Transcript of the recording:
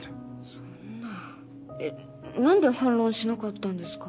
そんなえっなんで反論しなかったんですか？